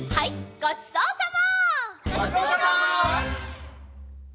ごちそうさま！